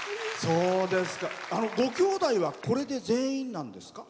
ごきょうだいは、これで全員なんですか？